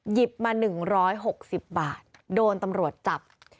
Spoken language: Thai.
หยิบมา๑๖๐บาทโดนตำรวจจับ